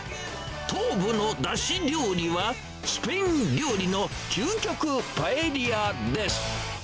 東武のだし料理は、スペイン料理の究極パエリアです。